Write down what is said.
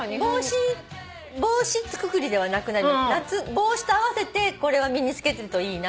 帽子と合わせてこれは身に着けてるといいな。